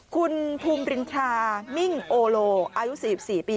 คุณภูมิรินทรามิ่งโอโลอายุ๔๔ปี